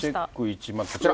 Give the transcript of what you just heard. １、こちら。